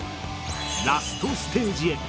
ラストステージへ。